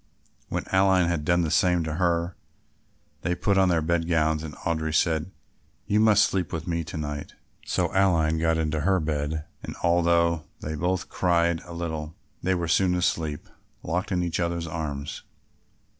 When Aline had done the same to her, they put on their bed gowns and Audry said, "You must sleep with me to night." So Aline got into her bed and although they both cried a little, they were soon asleep locked in each other's arms.